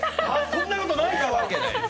そんなことないから！